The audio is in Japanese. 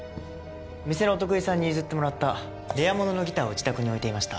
店のお得意さんに譲ってもらったレアもののギターを自宅に置いていました。